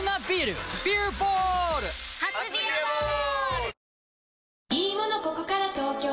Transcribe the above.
初「ビアボール」！